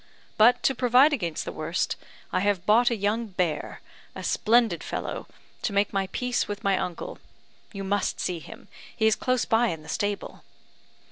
But, to provide against the worst, I have bought a young bear, a splendid fellow, to make my peace with my uncle. You must see him; he is close by in the stable."